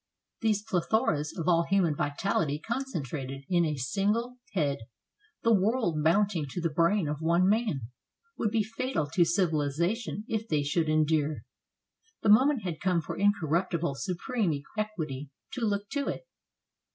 These pleth oras of all human vitality concentrated in a single head, the world mounting to the brain of one man, would be fatal to civilization if they should endure. The moment had come for incorruptible supreme equity to look to it.